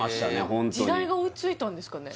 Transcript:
ホントに時代が追いついたんですかね